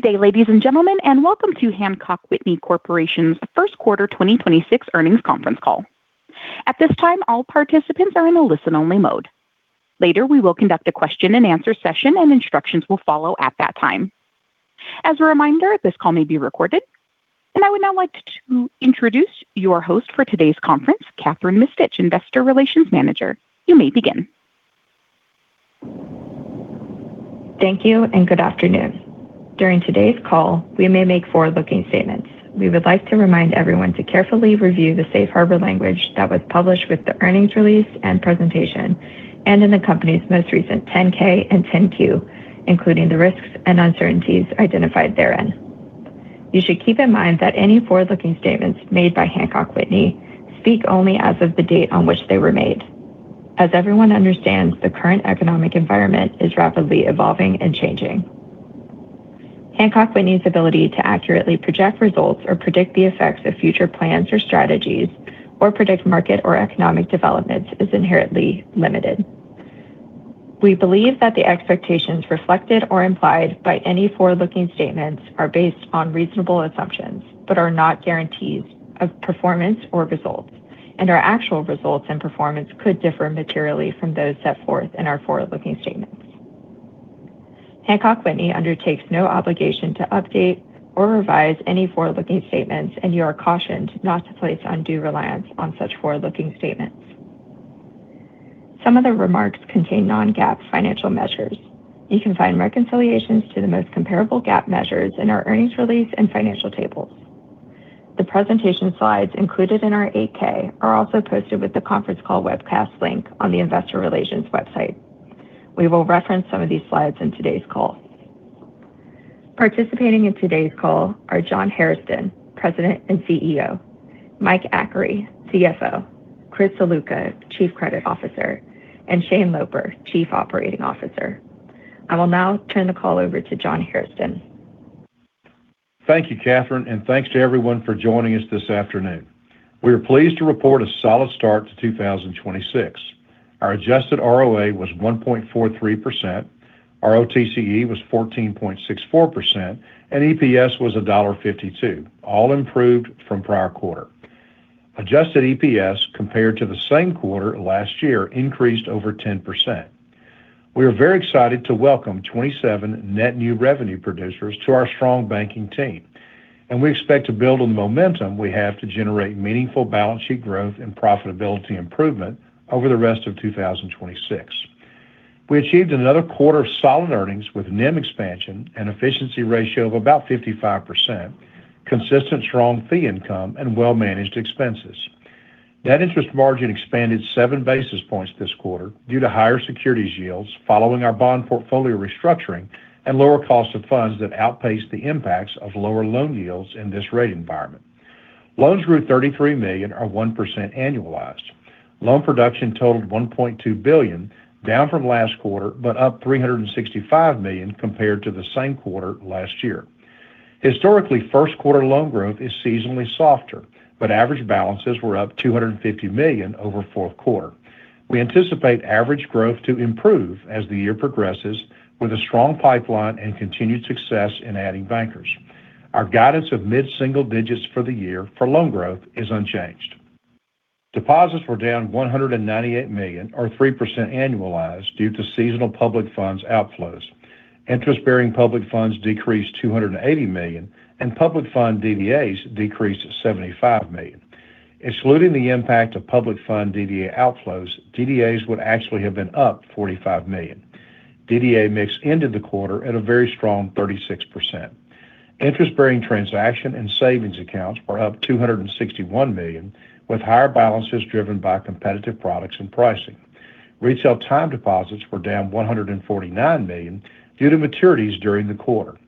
Good day, ladies and gentlemen, and welcome to Hancock Whitney Corporation's first quarter 2026 earnings conference call. At this time, all participants are in a listen-only mode. Later, we will conduct a question and answer session, and instructions will follow at that time. As a reminder, this call may be recorded. I would now like to introduce your host for today's conference, Kathryn Mistich, Investor Relations Manager. You may begin. Thank you, and good afternoon. During today's call, we may make forward-looking statements. We would like to remind everyone to carefully review the Safe Harbor language that was published with the earnings release and presentation, and in the company's most recent 10-K and 10-Q, including the risks and uncertainties identified therein. You should keep in mind that any forward-looking statements made by Hancock Whitney speak only as of the date on which they were made. As everyone understands, the current economic environment is rapidly evolving and changing. Hancock Whitney's ability to accurately project results or predict the effects of future plans or strategies or predict market or economic developments is inherently limited. We believe that the expectations reflected or implied by any forward-looking statements are based on reasonable assumptions, but are not guarantees of performance or results, and our actual results and performance could differ materially from those set forth in our forward-looking statements. Hancock Whitney undertakes no obligation to update or revise any forward-looking statements, and you are cautioned not to place undue reliance on such forward-looking statements. Some of the remarks contain non-GAAP financial measures. You can find reconciliations to the most comparable GAAP measures in our earnings release and financial tables. The presentation slides included in our 8-K are also posted with the conference call webcast link on the investor relations website. We will reference some of these slides in today's call. Participating in today's call are John Hairston, President and CEO, Mike Achary, CFO, Chris Ziluca, Chief Credit Officer, and Shane Loper, Chief Operating Officer. I will now turn the call over to John Hairston. Thank you, Kathryn, and thanks to everyone for joining us this afternoon. We are pleased to report a solid start to 2026. Our adjusted ROA was 1.43%, our ROTCE was 14.64%, and EPS was $1.52, all improved from prior quarter. Adjusted EPS compared to the same quarter last year increased over 10%. We are very excited to welcome 27 net new revenue producers to our strong banking team, and we expect to build on the momentum we have to generate meaningful balance sheet growth and profitability improvement over the rest of 2026. We achieved another quarter of solid earnings with NIM expansion and efficiency ratio of about 55%, consistent strong fee income, and well-managed expenses. Net interest margin expanded 7 basis points this quarter due to higher securities yields following our bond portfolio restructuring and lower cost of funds that outpaced the impacts of lower loan yields in this rate environment. Loans grew $33 million or 1% annualized. Loan production totaled $1.2 billion, down from last quarter, but up $365 million compared to the same quarter last year. Historically, first quarter loan growth is seasonally softer, but average balances were up $250 million over fourth quarter. We anticipate average growth to improve as the year progresses with a strong pipeline and continued success in adding bankers. Our guidance of mid-single digits for the year for loan growth is unchanged. Deposits were down $198 million or 3% annualized due to seasonal public funds outflows. Interest-bearing public funds decreased $280 million and public fund DDAs decreased $75 million. Excluding the impact of public fund DDA outflows, DDAs would actually have been up $45 million. DDA mix ended the quarter at a very strong 36%. Interest-bearing transaction and savings accounts were up $261 million with higher balances driven by competitive products and pricing. Retail time deposits were down $149 million due to maturities during the quarter.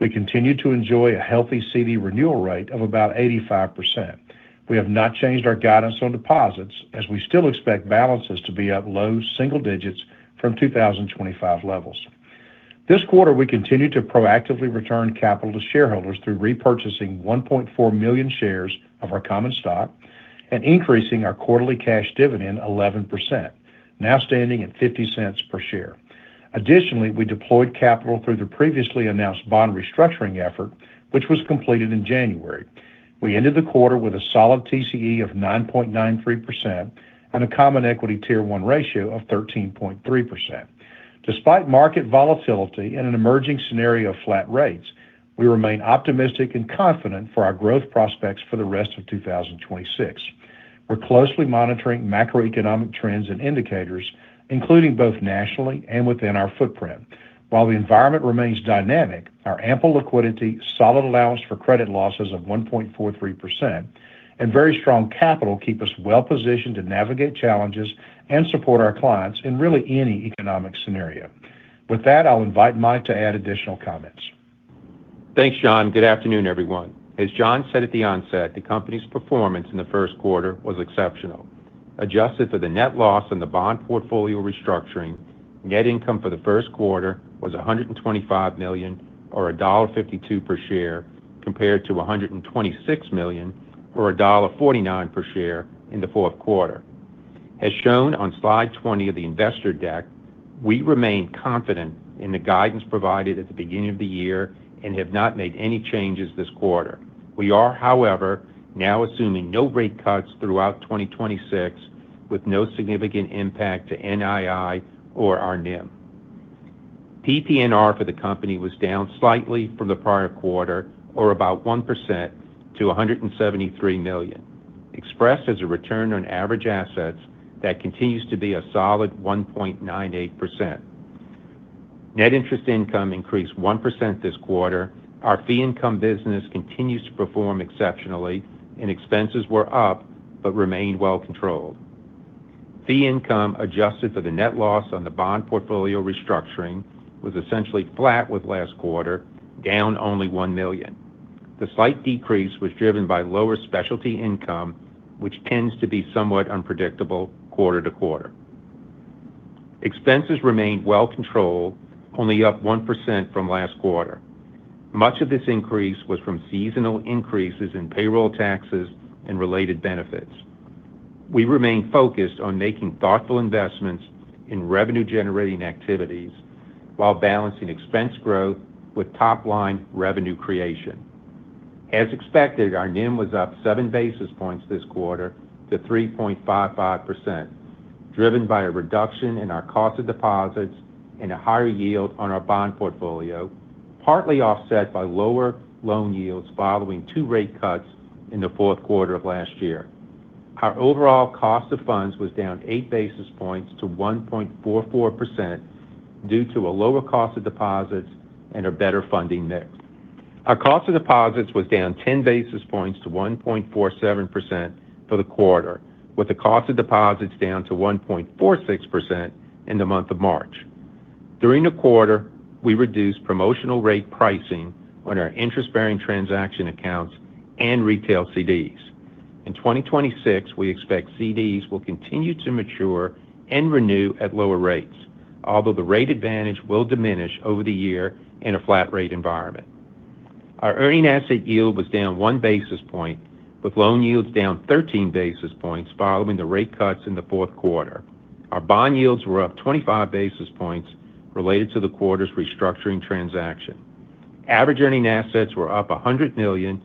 We continue to enjoy a healthy CD renewal rate of about 85%. We have not changed our guidance on deposits as we still expect balances to be up low single digits from 2025 levels. This quarter, we continued to proactively return capital to shareholders through repurchasing 1.4 million shares of our common stock and increasing our quarterly cash dividend 11%, now standing at $0.50 per share. Additionally, we deployed capital through the previously announced bond restructuring effort, which was completed in January. We ended the quarter with a solid TCE of 9.93% and a Common Equity Tier 1 ratio of 13.3%. Despite market volatility and an emerging scenario of flat rates, we remain optimistic and confident for our growth prospects for the rest of 2026. We're closely monitoring macroeconomic trends and indicators, including both nationally and within our footprint. While the environment remains dynamic, our ample liquidity, solid allowance for credit losses of 1.43%, and very strong capital keep us well positioned to navigate challenges and support our clients in really any economic scenario. With that, I'll invite Mike to add additional comments. Thanks, John. Good afternoon, everyone. As John said at the onset, the company's performance in the first quarter was exceptional. Adjusted for the net loss on the bond portfolio restructuring, net income for the first quarter was $125 million or $1.52 per share, compared to $126 million or $1.49 per share in the fourth quarter. As shown on slide 20 of the investor deck, we remain confident in the guidance provided at the beginning of the year and have not made any changes this quarter. We are, however, now assuming no rate cuts throughout 2026 with no significant impact to NII or our NIM. PPNR for the company was down slightly from the prior quarter, or about 1%, to $173 million, expressed as a return on average assets that continues to be a solid 1.98%. Net interest income increased 1% this quarter. Our fee income business continues to perform exceptionally, and expenses were up but remained well controlled. Fee income adjusted for the net loss on the bond portfolio restructuring was essentially flat with last quarter, down only $1 million. The slight decrease was driven by lower specialty income, which tends to be somewhat unpredictable quarter to quarter. Expenses remained well controlled, only up 1% from last quarter. Much of this increase was from seasonal increases in payroll taxes and related benefits. We remain focused on making thoughtful investments in revenue-generating activities while balancing expense growth with top-line revenue creation. As expected, our NIM was up 7 basis points this quarter to 3.55%, driven by a reduction in our cost of deposits and a higher yield on our bond portfolio, partly offset by lower loan yields following two rate cuts in the fourth quarter of last year. Our overall cost of funds was down 8 basis points to 1.44% due to a lower cost of deposits and a better funding mix. Our cost of deposits was down 10 basis points to 1.47% for the quarter, with the cost of deposits down to 1.46% in the month of March. During the quarter, we reduced promotional rate pricing on our interest-bearing transaction accounts and retail CDs. In 2026, we expect CDs will continue to mature and renew at lower rates, although the rate advantage will diminish over the year in a flat-rate environment. Our earning asset yield was down 1 basis point, with loan yields down 13 basis points following the rate cuts in the fourth quarter. Our bond yields were up 25 basis points related to the quarter's restructuring transaction. Average earning assets were up $100 million,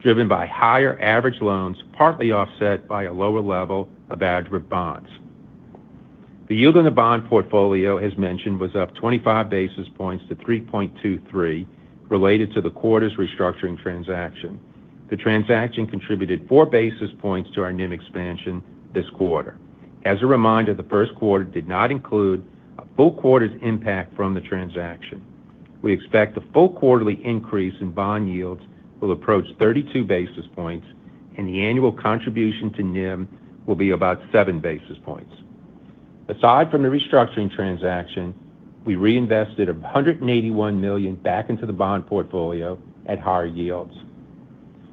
driven by higher average loans, partly offset by a lower level of aggregate bonds. The yield on the bond portfolio, as mentioned, was up 25 basis points to 3.23 related to the quarter's restructuring transaction. The transaction contributed 4 basis points to our NIM expansion this quarter. As a reminder, the first quarter did not include a full quarter's impact from the transaction. We expect the full quarterly increase in bond yields will approach 32 basis points, and the annual contribution to NIM will be about 7 basis points. Aside from the restructuring transaction, we reinvested $181 million back into the bond portfolio at higher yields.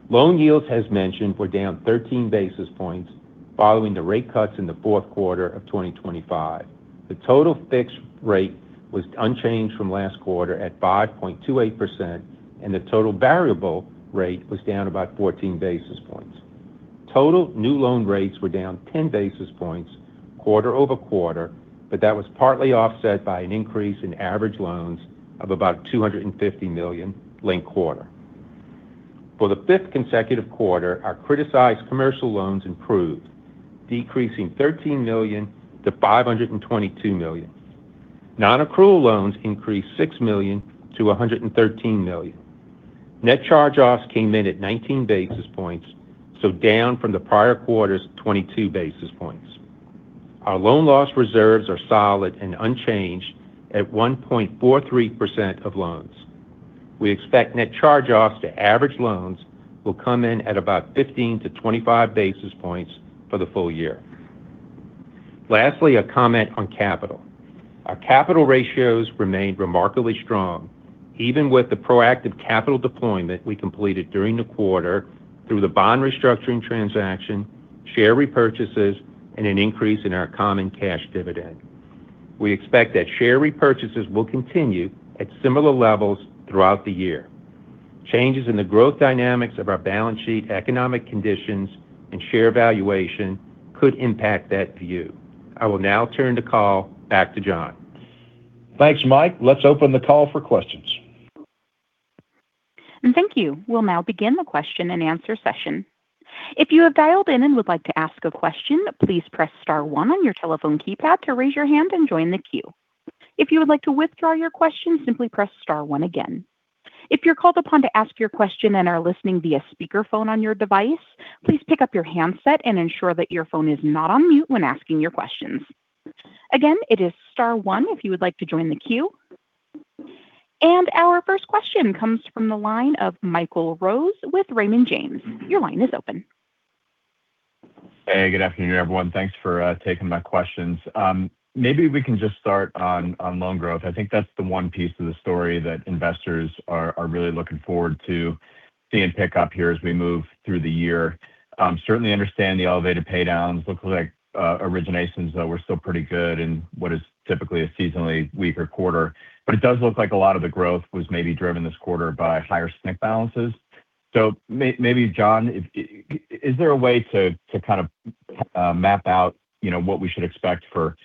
Loan yields, as mentioned, were down 13 basis points following the rate cuts in the fourth quarter of 2025. The total fixed rate was unchanged from last quarter at 5.28%, and the total variable rate was down about 14 basis points. Total new loan rates were down 10 basis points quarter-over-quarter, but that was partly offset by an increase in average loans of about $250 million linked-quarter. For the fifth consecutive quarter, our criticized commercial loans improved, decreasing $13 million to $522 million. Non-accrual loans increased $6 million to $113 million. Net charge-offs came in at 19 basis points, so down from the prior quarter's 22 basis points. Our loan loss reserves are solid and unchanged at 1.43% of loans. We expect net charge-offs to average 15-25 basis points for the full year. Lastly, a comment on capital. Our capital ratios remained remarkably strong, even with the proactive capital deployment we completed during the quarter through the bond restructuring transaction, share repurchases, and an increase in our common cash dividend. We expect that share repurchases will continue at similar levels throughout the year. Changes in the growth dynamics of our balance sheet, economic conditions, and share valuation could impact that view. I will now turn the call back to John. Thanks, Mike. Let's open the call for questions. Thank you. We'll now begin the question and answer session. If you have dialed in and would like to ask a question, please press star one on your telephone keypad to raise your hand and join the queue. If you would like to withdraw your question, simply press star one again. If you're called upon to ask your question and are listening via speakerphone on your device, please pick up your handset and ensure that your phone is not on mute when asking your questions. Again, it is star one if you would like to join the queue. Our first question comes from the line of Michael Rose with Raymond James. Your line is open. Hey, good afternoon, everyone. Thanks for taking my questions. Maybe we can just start on loan growth. I think that's the one piece of the story that investors are really looking forward to seeing pick up here as we move through the year. Certainly understand the elevated pay-downs. Looks like originations, though, were still pretty good in what is typically a seasonally weaker quarter. It does look like a lot of the growth was maybe driven this quarter by higher SNC balances. Maybe John, is there a way to map out what we should expect for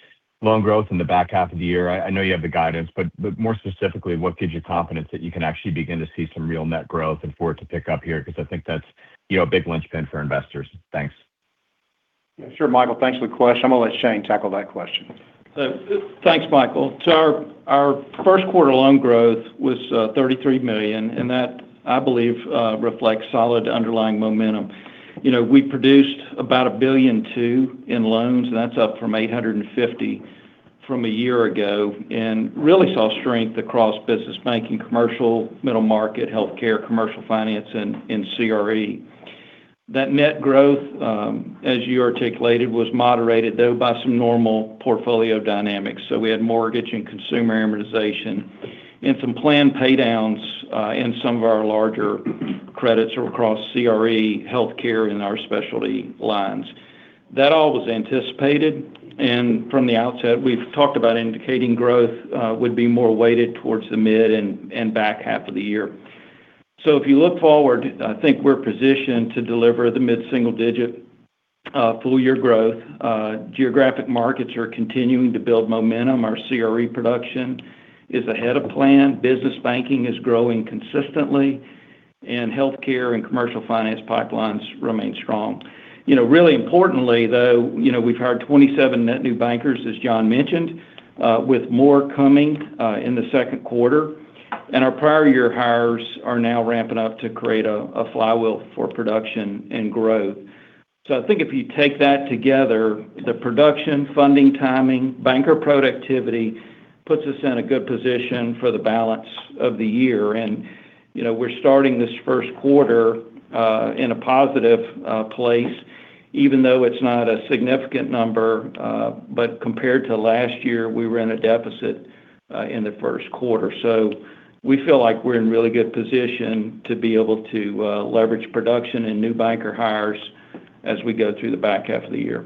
loan growth in the back half of the year? I know you have the guidance, but more specifically, what gives you confidence that you can actually begin to see some real net growth and for it to pick up here? Because I think that's a big linchpin for investors. Thanks. Sure, Michael. Thanks for the question. I'm going to let Shane tackle that question. Thanks, Michael. Our first quarter loan growth was $33 million, and that, I believe, reflects solid underlying momentum. We produced about $1.2 billion in loans, and that's up from $850 million from a year ago and really saw strength across business banking, commercial, middle market, healthcare, commercial finance, and CRE. That net growth, as you articulated, was moderated though by some normal portfolio dynamics. We had mortgage and consumer amortization and some planned pay-downs in some of our larger credits across CRE, healthcare, and our specialty lines. That all was anticipated, and from the outset, we've talked about indicating growth would be more weighted towards the mid and back half of the year. If you look forward, I think we're positioned to deliver the mid-single digit full year growth. Geographic markets are continuing to build momentum. Our CRE production is ahead of plan. Business banking is growing consistently, and healthcare and commercial finance pipelines remain strong. Really importantly, though, we've hired 27 net new bankers, as John mentioned, with more coming in the second quarter. Our prior year hires are now ramping up to create a flywheel for production and growth. I think if you take that together, the production, funding, timing, banker productivity puts us in a good position for the balance of the year. We're starting this first quarter in a positive place, even though it's not a significant number, but compared to last year, we were in a deficit in the first quarter. We feel like we're in really good position to be able to leverage production and new banker hires as we go through the back half of the year.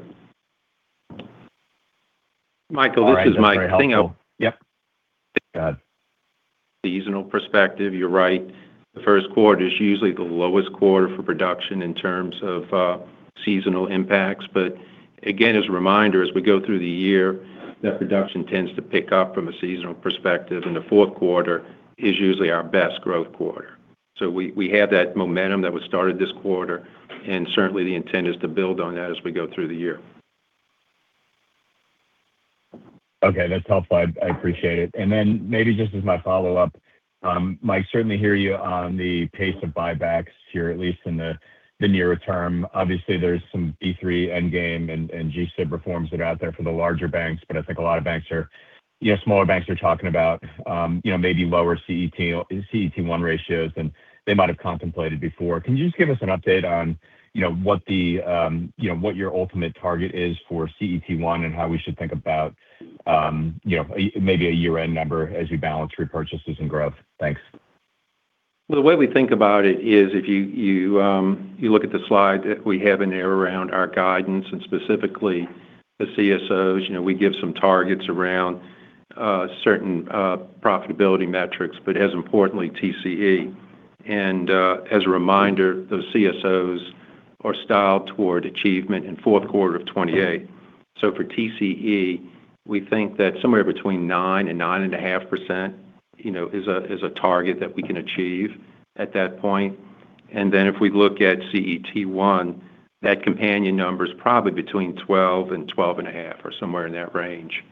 Michael, this is Mike Achary. All right. That's very helpful. Yeah. Go ahead. Seasonal perspective, you're right. The first quarter is usually the lowest quarter for production in terms of seasonal impacts. Again, as a reminder, as we go through the year, net production tends to pick up from a seasonal perspective, and the fourth quarter is usually our best growth quarter. We have that momentum that was started this quarter, and certainly the intent is to build on that as we go through the year. Okay. That's helpful. I appreciate it. Maybe just as my follow-up, Mike, certainly hear you on the pace of buybacks here, at least in the nearer term. Obviously, there's some Basel III endgame and G-SIB reforms that are out there for the larger banks, but I think a lot of smaller banks are talking about maybe lower CET1 ratios than they might have contemplated before. Can you just give us an update on what your ultimate target is for CET1 and how we should think about maybe a year-end number as you balance repurchases and growth? Thanks. Well, the way we think about it is if you look at the slide that we have in there around our guidance and specifically the CSOs, we give some targets around certain profitability metrics, but as importantly, TCE. As a reminder, those CSOs are tied toward achievement in fourth quarter of 2028. For TCE, we think that somewhere between 9%-9.5% is a target that we can achieve at that point. If we look at CET1, that companion number's probably between 12%-12.5% or somewhere in that range.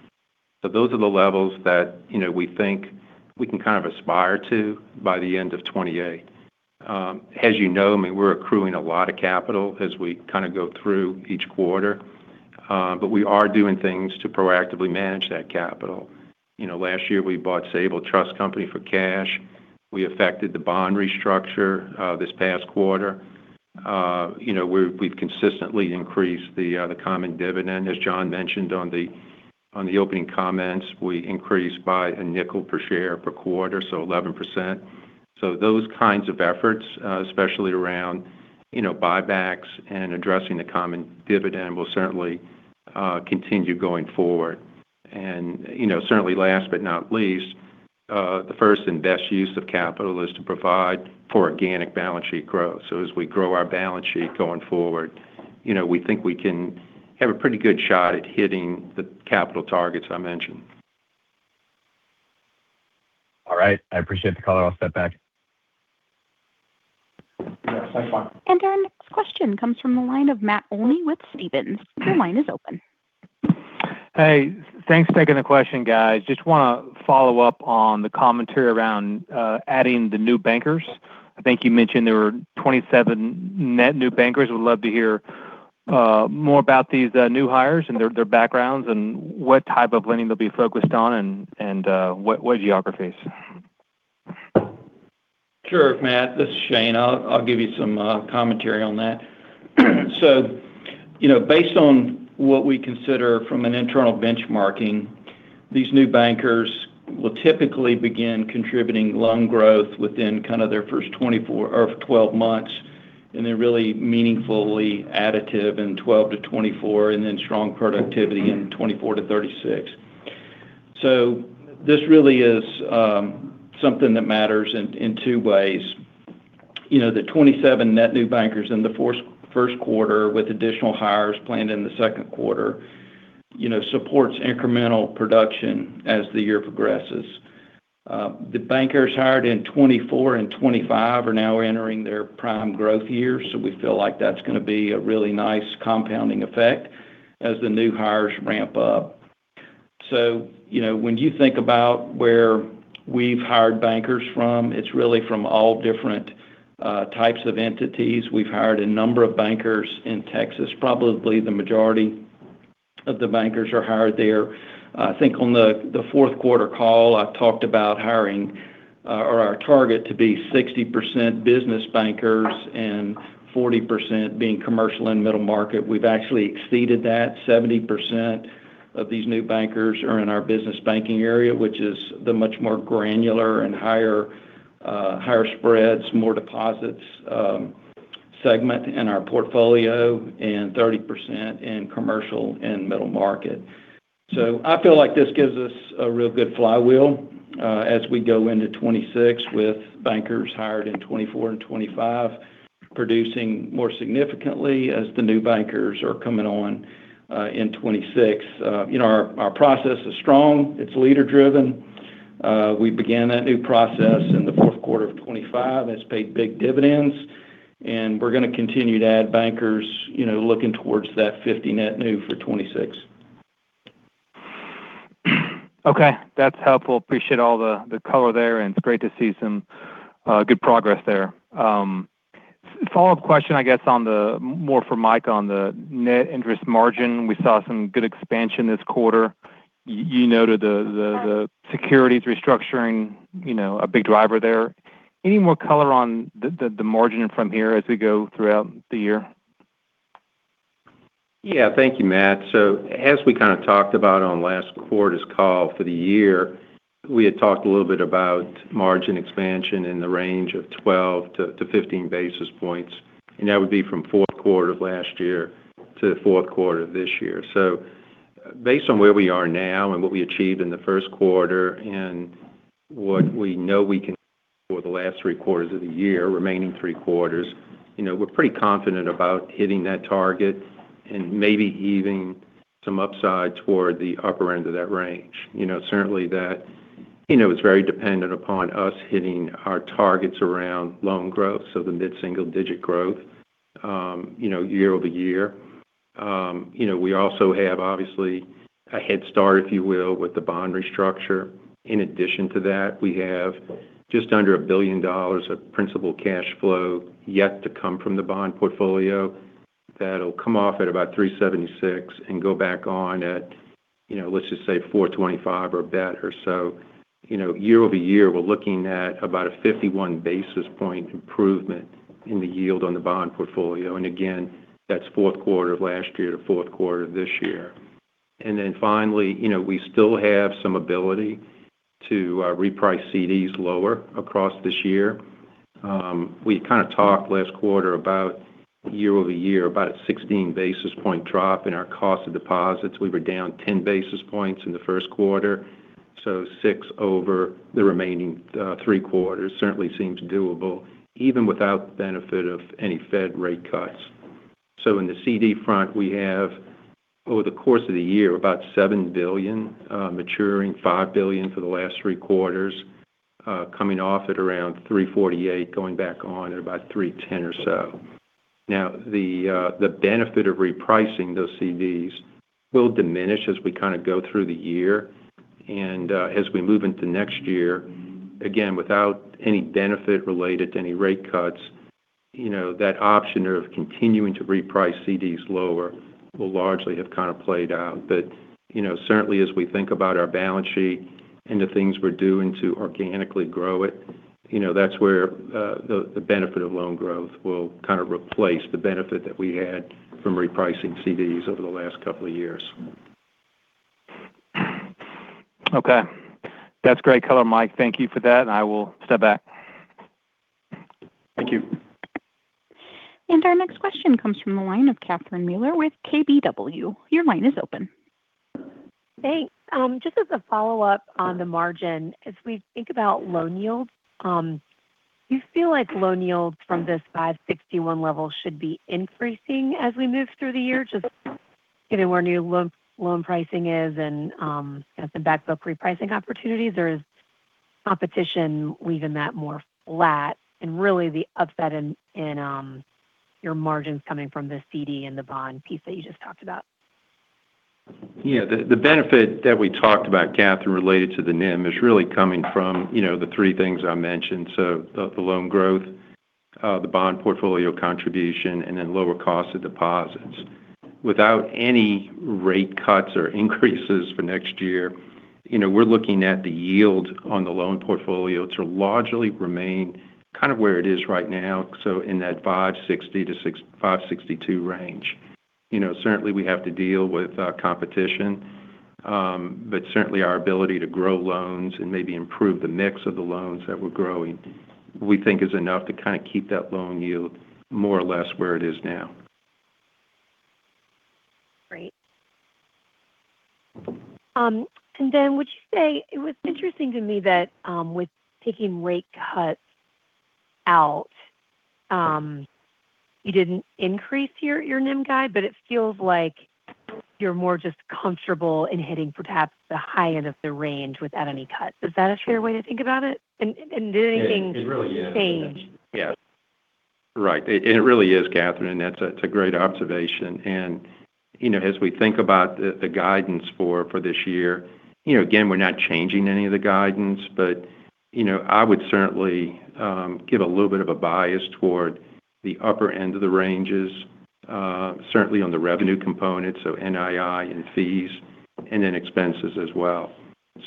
Those are the levels that we think we can aspire to by the end of 2028. As you know, we're accruing a lot of capital as we go through each quarter, but we are doing things to proactively manage that capital. Last year, we bought Sabal Trust Company for cash. We affected the bond restructure this past quarter. We've consistently increased the common dividend. As John mentioned on the opening comments, we increased by a nickel per share per quarter, so 11%. Those kinds of efforts, especially around buybacks and addressing the common dividend, will certainly continue going forward. Certainly last but not least, the first and best use of capital is to provide for organic balance sheet growth. As we grow our balance sheet going forward, we think we can have a pretty good shot at hitting the capital targets I mentioned. All right. I appreciate the color. I'll step back. Yeah. Thanks, Michael. Our next question comes from the line of Matt Olney with Stephens. Your line is open. Hey, thanks for taking the question, guys. Just want to follow up on the commentary around adding the new bankers. I think you mentioned there were 27 net new bankers, would love to hear more about these new hires and their backgrounds and what type of lending they'll be focused on and what geographies? Sure, Matt. This is Shane. I'll give you some commentary on that. Based on what we consider from an internal benchmarking, these new bankers will typically begin contributing loan growth within their first 12 months, and they're really meaningfully additive in 12-24, and then strong productivity in 24-36. This really is something that matters in two ways. The 27 net new bankers in the first quarter with additional hires planned in the second quarter supports incremental production as the year progresses. The bankers hired in 2024 and 2025 are now entering their prime growth years, so we feel like that's going to be a really nice compounding effect as the new hires ramp up. When you think about where we've hired bankers from, it's really from all different types of entities. We've hired a number of bankers in Texas, probably the majority of the bankers are hired there. I think on the fourth quarter call, I talked about our target to be 60% business bankers and 40% being commercial and middle market. We've actually exceeded that. 70% of these new bankers are in our business banking area, which is the much more granular and higher spreads, more deposits segment in our portfolio, and 30% in commercial and middle market. I feel like this gives us a real good flywheel as we go into 2026 with bankers hired in 2024 and 2025 producing more significantly as the new bankers are coming on in 2026. Our process is strong. It's leader-driven. We began that new process in the fourth quarter of 2025. That's paid big dividends, and we're going to continue to add bankers, looking towards that 50 net new for 2026. Okay. That's helpful. Appreciate all the color there, and it's great to see some good progress there. Follow-up question, I guess more for Mike on the net interest margin. We saw some good expansion this quarter. You noted the securities restructuring, a big driver there. Any more color on the margin from here as we go throughout the year? Yeah. Thank you, Matt. As we talked about on last quarter's call for the year, we had talked a little bit about margin expansion in the range of 12-15 basis points, and that would be from fourth quarter of last year to fourth quarter of this year. Based on where we are now and what we achieved in the first quarter and what we know we can for the remaining three quarters of the year, we're pretty confident about hitting that target and maybe even some upside toward the upper end of that range. Certainly that is very dependent upon us hitting our targets around loan growth, so the mid-single digit growth year-over-year. We also have, obviously, a head start, if you will, with the bond restructure. In addition to that, we have just under $1 billion of principal cash flow yet to come from the bond portfolio. That'll come off at about 376 and go back on at, let's just say, 425 or better. Year-over-year, we're looking at about a 51 basis point improvement in the yield on the bond portfolio. Again, that's fourth quarter of last year to fourth quarter of this year. Then finally, we still have some ability to reprice CDs lower across this year. We talked last quarter about year-over-year about a 16 basis point drop in our cost of deposits. We were down 10 basis points in the first quarter, so 6 basis points over the remaining three quarters certainly seems doable even without the benefit of any Fed rate cuts. In the CD front, we have over the course of the year, about $7 billion maturing, $5 billion for the last three quarters, coming off at around 348, going back on at about 310 or so. Now, the benefit of repricing those CDs will diminish as we go through the year and as we move into next year, again, without any benefit related to any rate cuts, that option of continuing to reprice CDs lower will largely have played out. Certainly as we think about our balance sheet and the things we're doing to organically grow it, that's where the benefit of loan growth will replace the benefit that we had from repricing CDs over the last couple of years. Okay. That's great color, Mike. Thank you for that, and I will step back. Thank you. Our next question comes from the line of Catherine Mealor with KBW. Your line is open. Thanks. Just as a follow-up on the margin, as we think about loan yields, do you feel like loan yields from this 5.61% level should be increasing as we move through the year, just given where new loan pricing is and as the back book repricing opportunities? Or is competition leaving that more flat and really the upside in your margins coming from the CD and the bond piece that you just talked about? Yeah. The benefit that we talked about, Catherine, related to the NIM is really coming from the three things I mentioned. The loan growth, the bond portfolio contribution, and then lower cost of deposits. Without any rate cuts or increases for next year, we're looking at the yield on the loan portfolio to largely remain where it is right now. In that 560-562 range. Certainly, we have to deal with competition, but certainly our ability to grow loans and maybe improve the mix of the loans that we're growing, we think is enough to keep that loan yield more or less where it is now. Great. And then what you say, it was interesting to me that with taking rate cuts out, you didn't increase your NIM guide, but it feels like you're more just comfortable in hitting perhaps the high end of the range without any cuts. Is that a fair way to think about it? Doing things the same. It really is. Yes. Right. It really is, Catherine, that's a great observation. As we think about the guidance for this year, again, we're not changing any of the guidance. I would certainly give a little bit of a bias toward the upper end of the ranges, certainly on the revenue component, so NII and fees, and then expenses as well.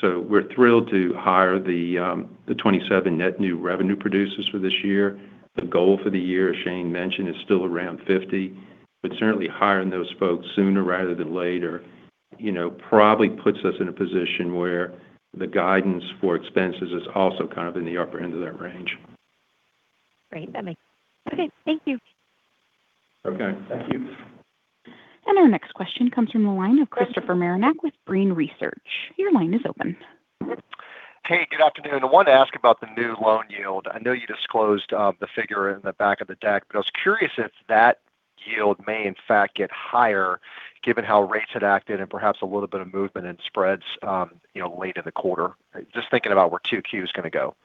We're thrilled to hire the 27 net new revenue producers for this year. The goal for the year, as Shane mentioned, is still around 50. Certainly hiring those folks sooner rather than later probably puts us in a position where the guidance for expenses is also kind of in the upper end of that range. Great. That makes sense. Okay, thank you. Okay, thank you. Our next question comes from the line of Christopher Marinac with Brean Research. Your line is open. Hey, good afternoon. I wanted to ask about the new loan yield. I know you disclosed the figure in the back of the deck, but I was curious if that yield may in fact get higher given how rates had acted and perhaps a little bit of movement in spreads late in the quarter. Just thinking about where 2Q is going to go?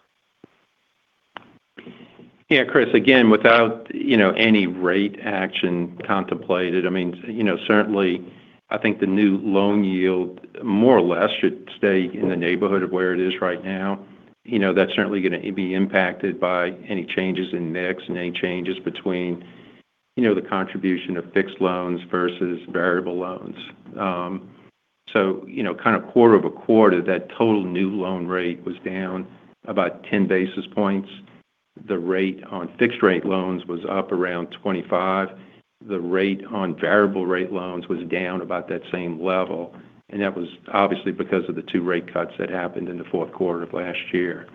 Yeah, Chris, again, without any rate action contemplated, certainly, I think the new loan yield more or less should stay in the neighborhood of where it is right now. That's certainly going to be impacted by any changes in mix and any changes between the contribution of fixed loans versus variable loans. Kind of quarter-over-quarter, that total new loan rate was down about 10 basis points. The rate on fixed rate loans was up around 25. The rate on variable rate loans was down about that same level, and that was obviously because of the two rate cuts that happened in the fourth quarter of last year.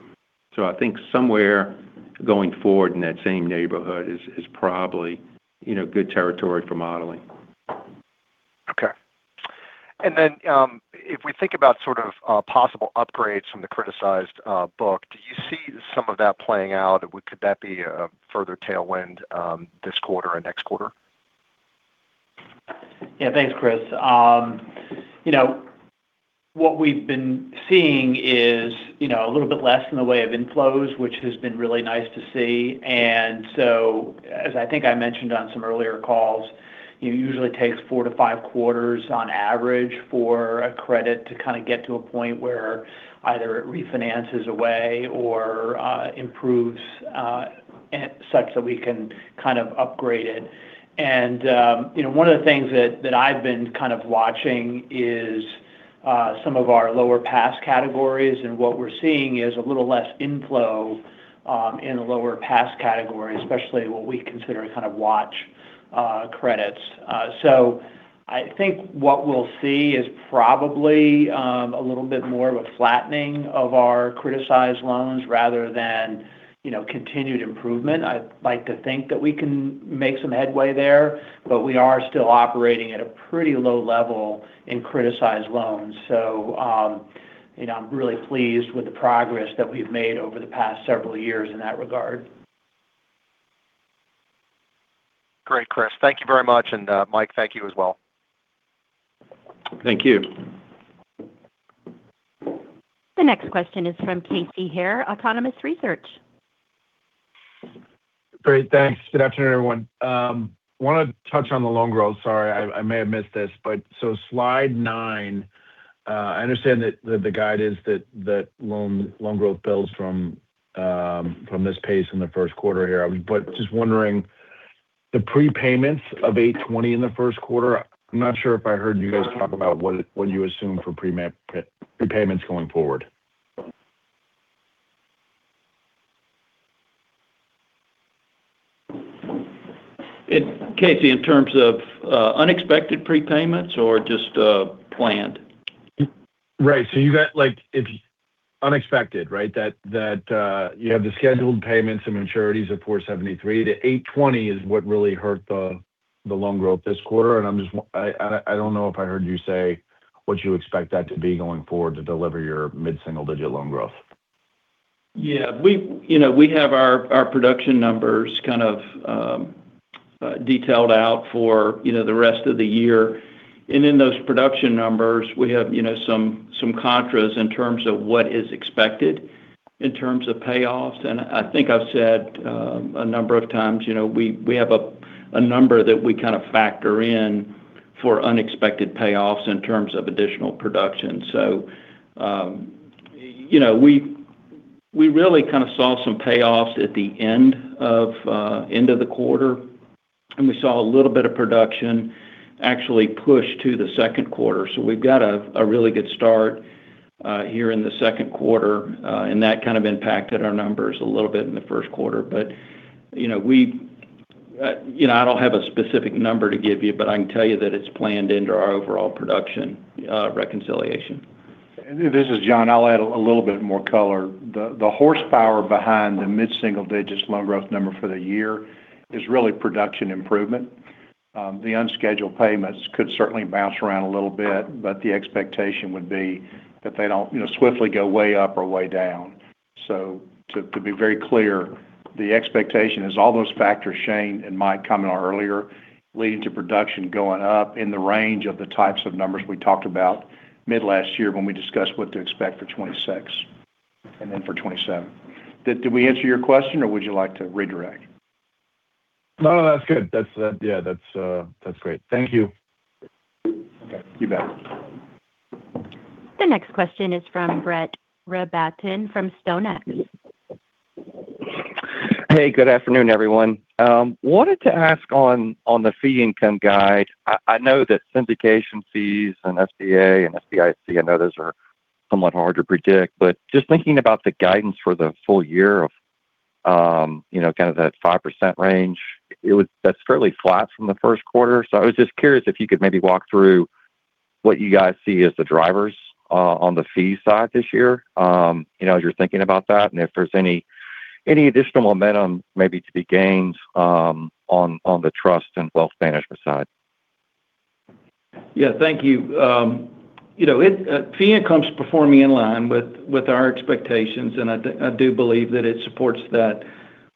I think somewhere going forward in that same neighborhood is probably good territory for modeling. Okay. If we think about possible upgrades from the criticized book, do you see some of that playing out? Could that be a further tailwind this quarter and next quarter? Yeah. Thanks, Chris. What we've been seeing is a little bit less in the way of inflows, which has been really nice to see. As I think I mentioned on some earlier calls, it usually takes four to five quarters on average for a credit to kind of get to a point where either it refinances away or improves such that we can upgrade it. One of the things that I've been kind of watching is some of our lower pass categories, and what we're seeing is a little less inflow in the lower pass category, especially what we consider watch credits. I think what we'll see is probably a little bit more of a flattening of our criticized loans rather than continued improvement. I'd like to think that we can make some headway there, but we are still operating at a pretty low level in criticized loans. I'm really pleased with the progress that we've made over the past several years in that regard. Great, Chris. Thank you very much. Mike, thank you as well. Thank you. The next question is from Casey Haire, Autonomous Research. Great. Thanks. Good afternoon, everyone. I want to touch on the loan growth. Sorry, I may have missed this. Slide nine, I understand that the guide is that loan growth builds from this pace in the first quarter here. just wondering, the prepayments of $820 in the first quarter, I'm not sure if I heard you guys talk about what you assume for prepayments going forward. Casey, in terms of unexpected prepayments or just planned? Right. You got unexpected, right? That you have the scheduled payments and maturities of $473 million-$820 million is what really hurt the loan growth this quarter, and I don't know if I heard you say what you expect that to be going forward to deliver your mid-single digit loan growth. Yeah. We have our production numbers kind of detailed out for the rest of the year. In those production numbers, we have some contras in terms of what is expected in terms of payoffs. I think I've said a number of times, we have a number that we kind of factor in for unexpected payoffs in terms of additional production. We really kind of saw some payoffs at the end of the quarter, and we saw a little bit of production actually push to the second quarter. We've got a really good start here in the second quarter. That kind of impacted our numbers a little bit in the first quarter. I don't have a specific number to give you, but I can tell you that it's planned into our overall production reconciliation. This is John. I'll add a little bit more color. The horsepower behind the mid-single digits loan growth number for the year is really production improvement. The unscheduled payments could certainly bounce around a little bit, but the expectation would be that they don't swiftly go way up or way down. To be very clear, the expectation is all those factors Shane and Mike commented on earlier leading to production going up in the range of the types of numbers we talked about mid last year when we discussed what to expect for 2026 and then for 2027. Did we answer your question or would you like to redirect? No, that's good. That's great. Thank you. Okay, you bet. The next question is from Brett Rabatin from StoneX. Hey, good afternoon, everyone. I wanted to ask on the fee income guide. I know that syndication fees and SBA and SBIC, I know those are somewhat hard to predict, but just thinking about the guidance for the full year of that 5% range, that's fairly flat from the first quarter. I was just curious if you could maybe walk through what you guys see as the drivers on the fee side this year, as you're thinking about that, and if there's any additional momentum maybe to be gained on the trust and wealth management side? Yeah, thank you. Fee income's performing in line with our expectations, and I do believe that it supports that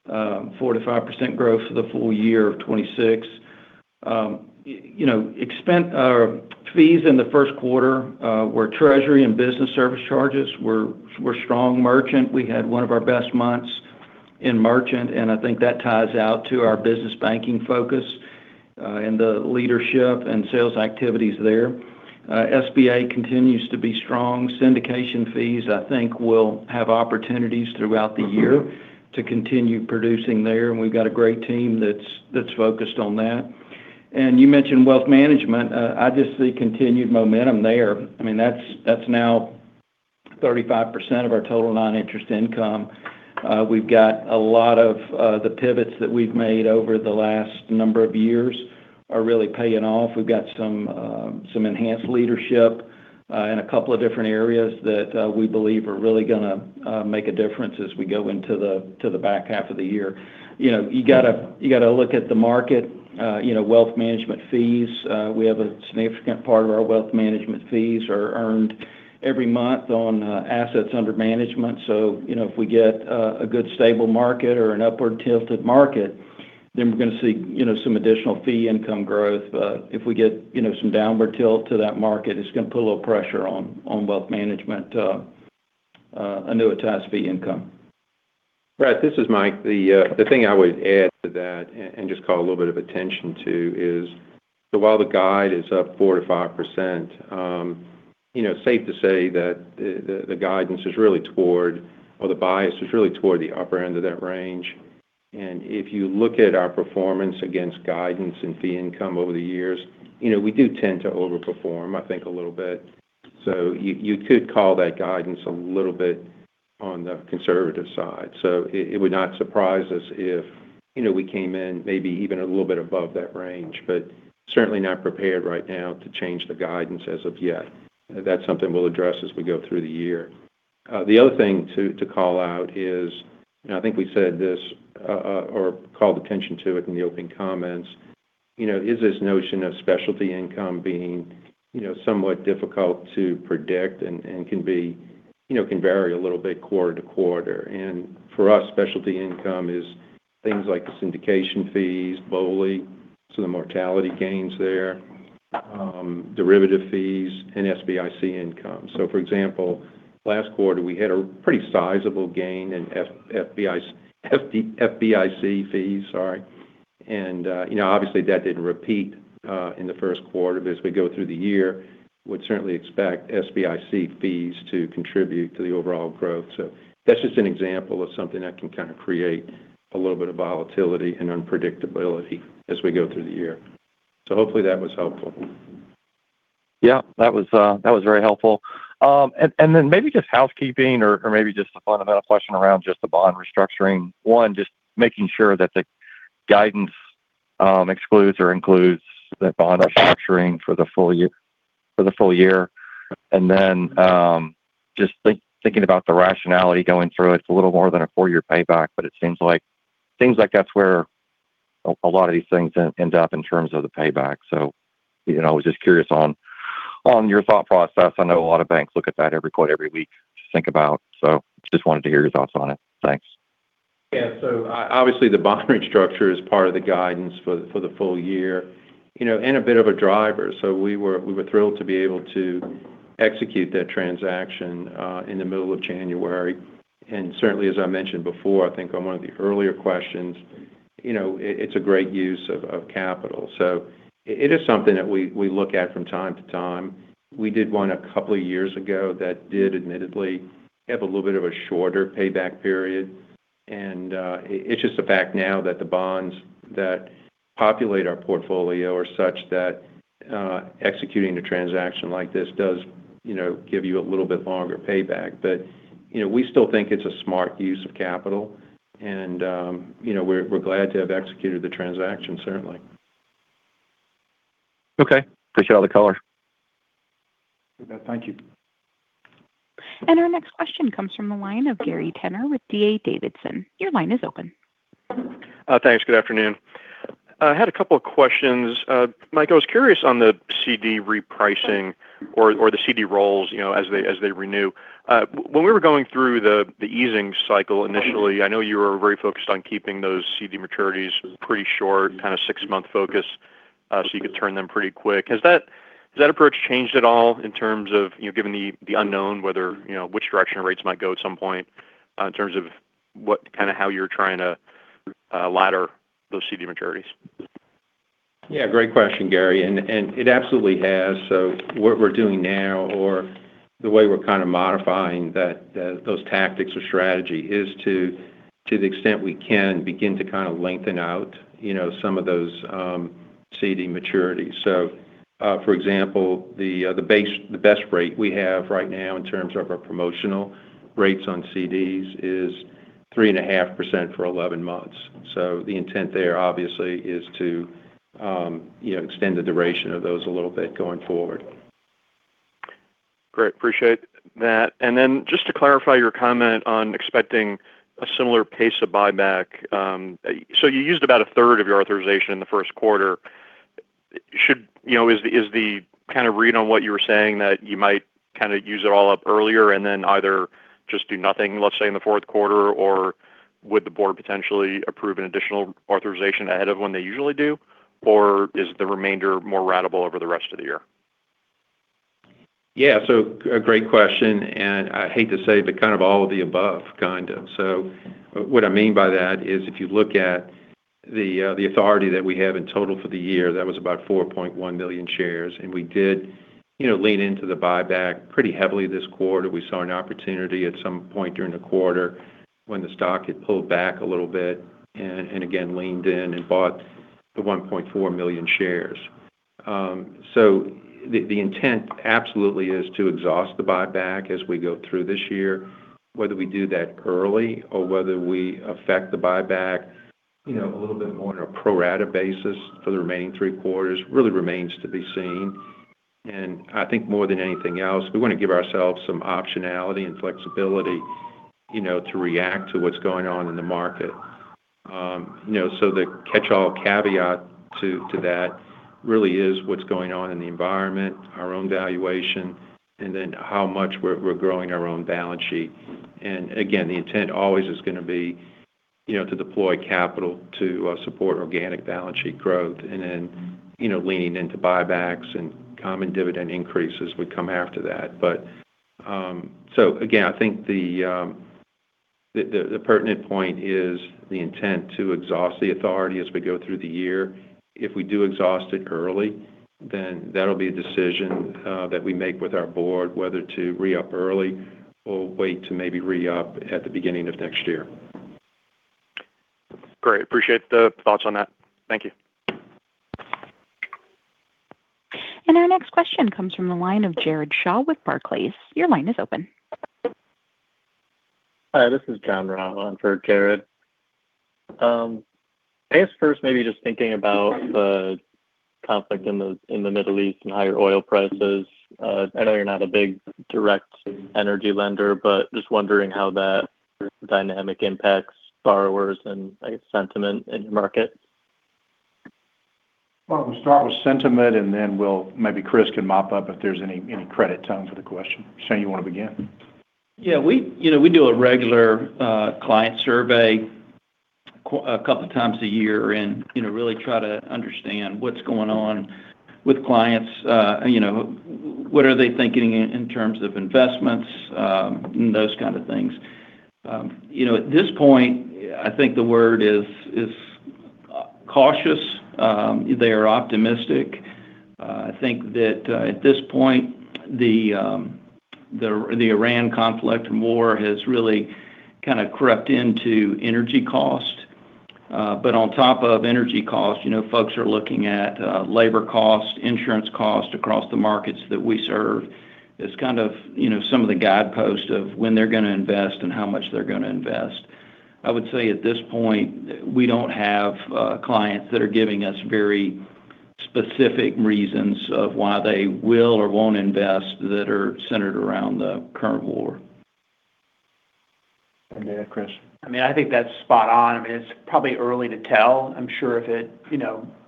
4%-5% growth for the full year of 2026. Fees in the first quarter were strong. Treasury and business service charges were strong in merchant. We had one of our best months in merchant, and I think that ties out to our business banking focus, and the leadership and sales activities there. SBA continues to be strong. Syndication fees, I think, will have opportunities throughout the year to continue producing there, and we've got a great team that's focused on that. You mentioned wealth management. I just see continued momentum there. That's now 35% of our total non-interest income. We've got a lot of the pivots that we've made over the last number of years are really paying off. We've got some enhanced leadership in a couple of different areas that we believe are really going to make a difference as we go into the back half of the year. You got to look at the market, wealth management fees. We have a significant part of our wealth management fees are earned every month on assets under management. If we get a good stable market or an upward tilted market, then we're going to see some additional fee income growth. If we get some downward tilt to that market, it's going to put a little pressure on wealth management annuitized fee income. Brett, this is Mike. The thing I would add to that and just call a little bit of attention to is that while the guide is up 4%-5%, safe to say that the guidance is really toward, or the bias is really toward the upper end of that range. If you look at our performance against guidance and fee income over the years, we do tend to overperform, I think a little bit. You could call that guidance a little bit on the conservative side. It would not surprise us if we came in maybe even a little bit above that range, but certainly not prepared right now to change the guidance as of yet. That's something we'll address as we go through the year. The other thing to call out is, and I think we said this or called attention to it in the opening comments, is this notion of specialty income being somewhat difficult to predict and can vary a little bit quarter to quarter. For us, specialty income is things like syndication fees, BOLI, some of the mortality gains there, derivative fees, and SBIC income. For example, last quarter we had a pretty sizable gain in SBIC fees. Sorry. Obviously that didn't repeat in the first quarter. As we go through the year, we would certainly expect SBIC fees to contribute to the overall growth. That's just an example of something that can kind of create a little bit of volatility and unpredictability as we go through the year. Hopefully that was helpful. Yeah, that was very helpful. Then maybe just housekeeping or maybe just a fundamental question around just the bond restructuring. One, just making sure that the guidance excludes or includes the bond restructuring for the full year. Then just thinking about the rationality going through it's a little more than a four-year payback, but it seems like that's where a lot of these things end up in terms of the payback. I was just curious on your thought process. I know a lot of banks look at that every week to think about, so just wanted to hear your thoughts on it. Thanks. Yeah. Obviously the bond restructure is part of the guidance for the full year, and a bit of a driver. We were thrilled to be able to execute that transaction in the middle of January. Certainly, as I mentioned before, I think on one of the earlier questions, it's a great use of capital. It is something that we look at from time to time. We did one a couple of years ago that did admittedly have a little bit of a shorter payback period. It's just the fact now that the bonds that populate our portfolio are such that executing a transaction like this does give you a little bit longer payback. We still think it's a smart use of capital and we're glad to have executed the transaction, certainly. Okay. Appreciate all the color. You bet. Thank you. Our next question comes from the line of Gary Tenner with D.A. Davidson. Your line is open. Thanks. Good afternoon. I had a couple of questions. Mike, I was curious on the CD repricing or the CD rolls as they renew. When we were going through the easing cycle initially, I know you were very focused on keeping those CD maturities pretty short, kind of six-month focus so you could turn them pretty quick. Has that approach changed at all in terms of given the unknown, which direction rates might go at some point in terms of how you're trying to ladder those CD maturities? Yeah. Great question, Gary, and it absolutely has. What we're doing now or the way we're kind of modifying those tactics or strategy is to the extent we can begin to lengthen out some of those CD maturities. For example, the best rate we have right now in terms of our promotional rates on CDs is 3.5% for 11 months. The intent there obviously is to extend the duration of those a little bit going forward. Great. Appreciate that. Just to clarify your comment on expecting a similar pace of buyback. You used about 1/3 of your authorization in the first quarter. Is the kind of read on what you were saying that you might use it all up earlier and then either just do nothing, let's say, in the fourth quarter? Would the board potentially approve an additional authorization ahead of when they usually do? Is the remainder more ratable over the rest of the year? Yeah. A great question, and I hate to say, but kind of all of the above. What I mean by that is if you look at the authority that we have in total for the year, that was about 4.1 million shares. We did lean into the buyback pretty heavily this quarter. We saw an opportunity at some point during the quarter when the stock had pulled back a little bit and again leaned in and bought the 1.4 million shares. The intent absolutely is to exhaust the buyback as we go through this year. Whether we do that early or whether we affect the buyback a little bit more on a pro rata basis for the remaining three quarters really remains to be seen. I think more than anything else, we want to give ourselves some optionality and flexibility to react to what's going on in the market. The catchall caveat to that really is what's going on in the environment, our own valuation, and then how much we're growing our own balance sheet. Again, the intent always is going to be to deploy capital to support organic balance sheet growth. Leaning into buybacks and common dividend increases would come after that. Again, I think the pertinent point is the intent to exhaust the authority as we go through the year. If we do exhaust it early, then that'll be a decision that we make with our board whether to re-up early or wait to maybe re-up at the beginning of next year. Great. Appreciate the thoughts on that. Thank you. Our next question comes from the line of Jared Shaw with Barclays. Your line is open. Hi, this is John Rah on for Jared. I guess first maybe just thinking about the conflict in the Middle East and higher oil prices. I know you're not a big direct energy lender, but just wondering how that dynamic impacts borrowers and sentiment in your market. Well, we'll start with sentiment and then maybe Chris can mop up if there's any credit tone to the question. Shane, you want to begin? Yeah. We do a regular client survey a couple times a year and really try to understand what's going on with clients. What are they thinking in terms of investments and those kind of things. At this point, I think the word is cautious. They are optimistic. I think that at this point, the Iran conflict and war has really kind of crept into energy cost. But on top of energy cost, folks are looking at labor cost, insurance cost across the markets that we serve as kind of some of the guideposts of when they're going to invest and how much they're going to invest. I would say at this point, we don't have clients that are giving us very specific reasons of why they will or won't invest that are centered around the current war. Chris? I think that's spot on. It's probably early to tell. I'm sure if it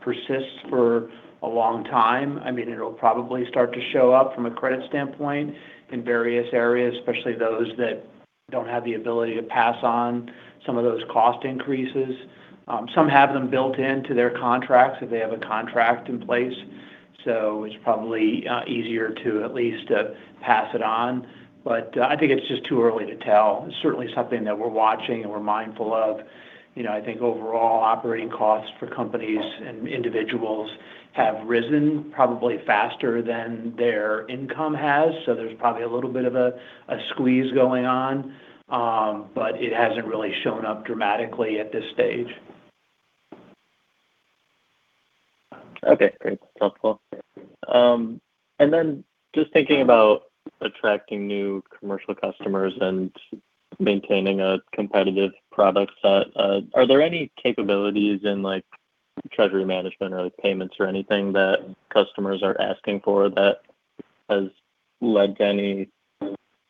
persists for a long time, it'll probably start to show up from a credit standpoint in various areas, especially those that don't have the ability to pass on some of those cost increases. Some have them built into their contracts if they have a contract in place. It's probably easier to at least pass it on. I think it's just too early to tell. It's certainly something that we're watching and we're mindful of. I think overall operating costs for companies and individuals have risen probably faster than their income has. There's probably a little bit of a squeeze going on. It hasn't really shown up dramatically at this stage. Okay, great. Helpful. Then just thinking about attracting new commercial customers and maintaining a competitive product set, are there any capabilities in like treasury management or like payments or anything that customers are asking for that has led to any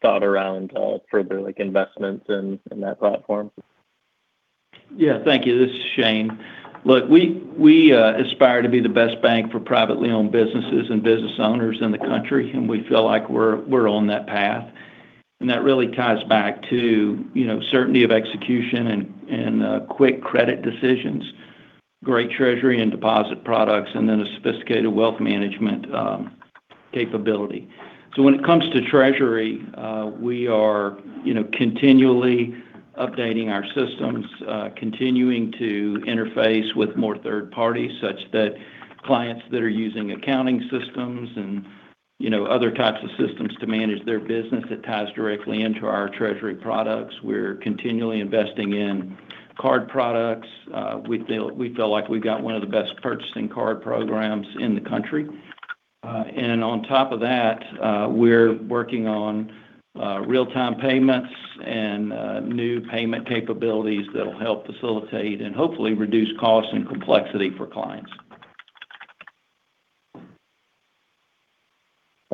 thought around further like investments in that platform? Yeah, thank you. This is Shane. Look, we aspire to be the best bank for privately owned businesses and business owners in the country, and we feel like we're on that path. That really ties back to certainty of execution and quick credit decisions, great treasury and deposit products, and then a sophisticated wealth management capability. When it comes to treasury, we are continually updating our systems, continuing to interface with more third parties such that clients that are using accounting systems and other types of systems to manage their business, it ties directly into our treasury products. We're continually investing in card products. We feel like we've got one of the best purchasing card programs in the country. On top of that, we're working on real-time payments and new payment capabilities that'll help facilitate and hopefully reduce costs and complexity for clients.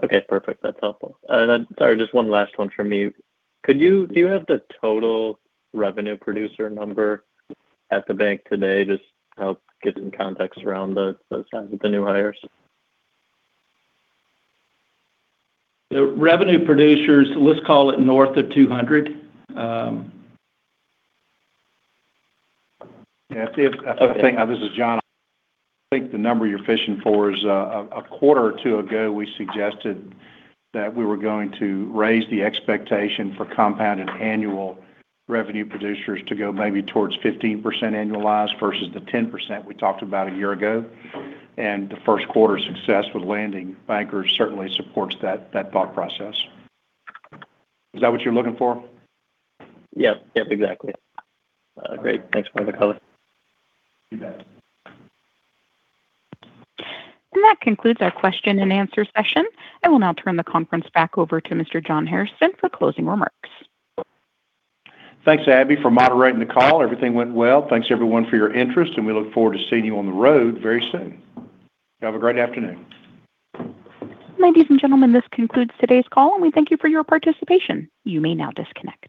Okay, perfect. That's helpful. Then, sorry, just one last one from me. Do you have the total revenue producer number at the bank today, just to help get some context around the size of the new hires? The revenue producers, let's call it north of 200. Yeah. This is John. I think the number you're fishing for is, a quarter or two ago, we suggested that we were going to raise the expectation for compounded annual revenue producers to go maybe towards 15% annualized versus the 10% we talked about a year ago. The first quarter success with landing bankers certainly supports that thought process. Is that what you're looking for? Yep. Exactly. Great. Thanks for the color. You bet. That concludes our question and answer session. I will now turn the conference back over to Mr. John Hairston for closing remarks. Thanks, Abby, for moderating the call. Everything went well. Thanks everyone for your interest, and we look forward to seeing you on the road very soon. You have a great afternoon. Ladies and gentlemen, this concludes today's call, and we thank you for your participation. You may now disconnect.